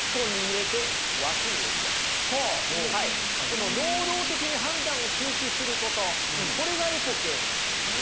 この能動的に判断を中止することこれがエポケーなんですね。